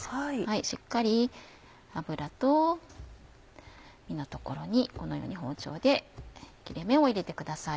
しっかり脂と身の所にこのように包丁で切れ目を入れてください。